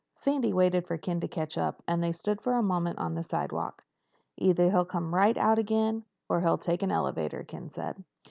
Sandy waited for Ken to catch up, and they stood for a moment on the sidewalk. "Either he'll come right out again, or he'll take an elevator," Ken said.